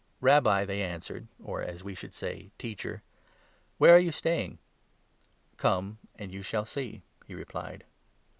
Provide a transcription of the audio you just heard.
" Rabbi," they answered (or, as we should say, "Teacher"), " where are you staying ?"" Come, and you shall see," he replied.